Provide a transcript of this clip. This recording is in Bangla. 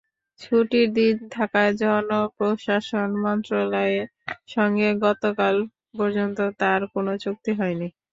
ছুটির দিন থাকায় জনপ্রশাসন মন্ত্রণালয়ের সঙ্গে গতকাল পর্যন্ত তাঁর কোনো চুক্তি হয়নি।